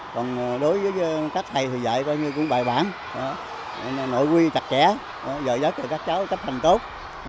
còn đối với các thầy thì dạy coi như cũng bài bản nội quy tạc trẻ dạy dạy cho các cháu tập hành tốt